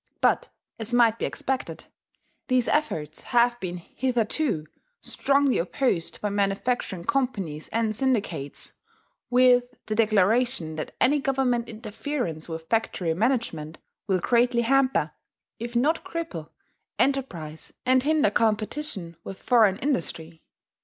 But, as might be expected, these efforts have been hitherto strongly opposed by manufacturing companies and syndicates with the declaration that any Government interference with factory management will greatly hamper, if not cripple, enterprise, and hinder competition with foreign industry.